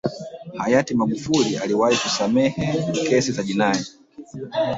hayati magufuli aliwahi kusamehe kesi za jinai